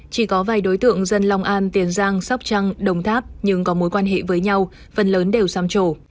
chỉ có vài đối tượng dân long an tiền giang sóc trăng đồng tháp nhưng có mối quan hệ với nhau phần lớn đều xăm trổ